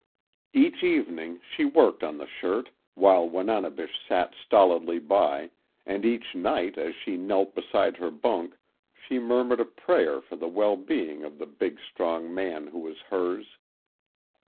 Each evening, she worked on the shirt, while Wananebish sat stolidly by, and each night as she knelt beside her bunk she murmured a prayer for the well being of the big strong man who was hers.